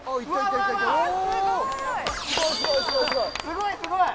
すごいすごい！